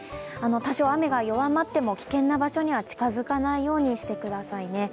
多少雨が弱まっても危険な場所には近づかないようにしてくださいね。